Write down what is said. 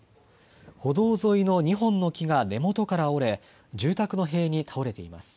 歩道沿いの２本の木が根元から折れ、住宅の塀に倒れています。